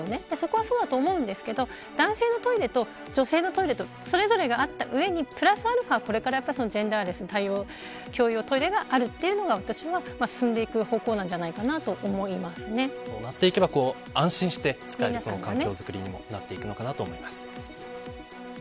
そこはそうだと思いますが男性のトイレと女性のトイレとそれぞれがあった上にプラスアルファでジェンダーレスの共用トイレがあるというのは進んでいく方向なんじゃないかとそうなっていけば安心して使える環境づくりにもなっていくのかなと思います。